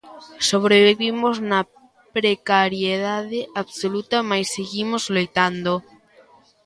Sobrevivimos na precariedade absoluta, mais seguimos loitando.